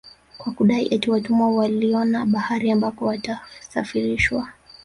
Kwa kudai eti watumwa waliona bahari ambako watasafarishwa